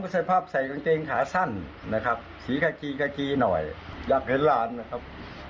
สภาพใส่กางเกงขาสั้นนะครับสีกากีกากีหน่อยอยากเห็นหลานนะครับ